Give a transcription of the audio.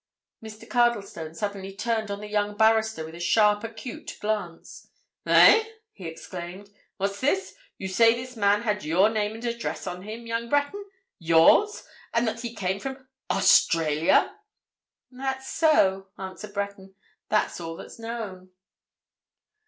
Mr. Cardlestone suddenly turned on the young barrister with a sharp, acute glance. "Eh?" he exclaimed. "What's this? You say this man had your name and address on him, young Breton!—yours? And that he came from—Australia?" "That's so," answered Breton. "That's all that's known."